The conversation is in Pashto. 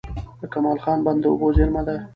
د کمال خان بند د اوبو زېرمه ده.